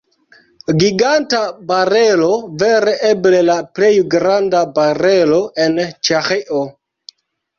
Giganta barelo, vere eble la plej granda barelo en Ĉeĥio.